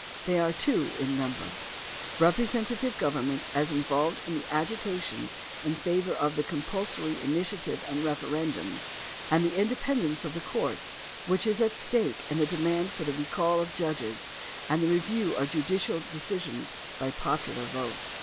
They are two in niunber — representative government as involved in the agitation in favor of the compulsory initiative and referendum, and the independence of the courts which is at stake in the demand for the recall of judges and the review of judicial decisions by popular vote.